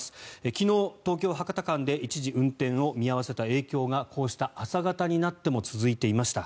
昨日、東京博多間で一時運転を見合わせた影響がこうした朝方になっても続いていました。